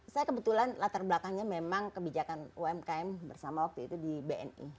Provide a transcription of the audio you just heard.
saya kebetulan latar belakangnya memang kebijakan umkm bersama waktu itu di bni